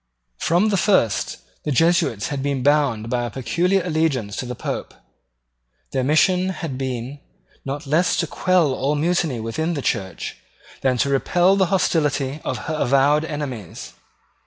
From the first the Jesuits had been bound by a peculiar allegiance to the Pope. Their mission had been not less to quell all mutiny within the Church than to repel the hostility of her avowed enemies.